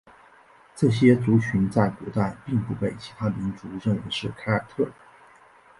这些族群在古代并不被其他民族认为是凯尔特人。